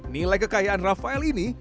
nilai kekayaan rafael ini